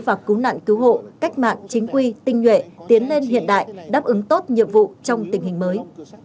và cứu nạn cứu hộ cách mạng chính quy tinh nhuệ tiến lên hiện đại đáp ứng tốt nhiệm vụ trong tình hình mới